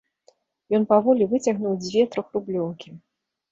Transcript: Ён паволі выцягнуў дзве трохрублёўкі.